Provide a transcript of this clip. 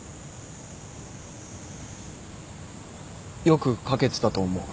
よく書けてたと思う。